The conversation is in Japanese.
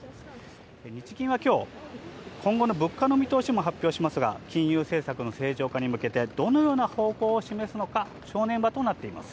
日銀はきょう今後の物価の見通しも発表しますが、金融政策の正常化に向けて、どのような方向を示すのか、正念場となっています。